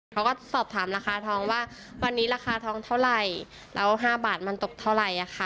เขาก็สอบถามราคาทองว่าวันนี้ราคาทองเท่าไหร่แล้ว๕บาทมันตกเท่าไหร่ค่ะ